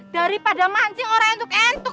daripada mancing orang untuk entuk